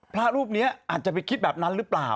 พระรูปนี้อาจจะไปคิดแบบนั้นหรือเปล่า